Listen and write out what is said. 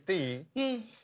うん。